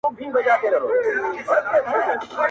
او غمجن غږ خپروي تل,